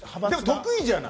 得意じゃない！